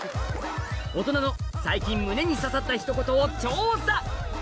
大人の最近胸に刺さった一言を調査